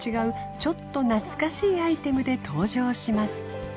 ちょっと懐かしいアイテムで登場します